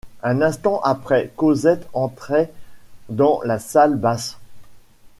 Un instant après, Cosette entrait dans la salle basse.